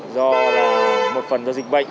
do là một phần do dịch bệnh